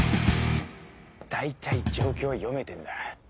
大体状況は読めてんだ。